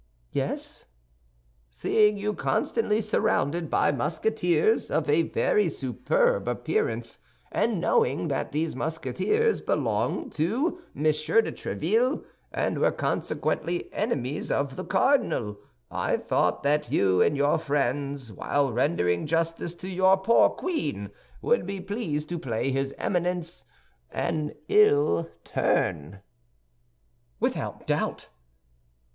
"Yes?" "Seeing you constantly surrounded by Musketeers of a very superb appearance, and knowing that these Musketeers belong to Monsieur de Tréville, and were consequently enemies of the cardinal, I thought that you and your friends, while rendering justice to your poor queen, would be pleased to play his Eminence an ill turn." "Without doubt."